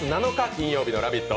金曜日の「ラヴィット！」